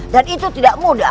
dan itu tidak mudah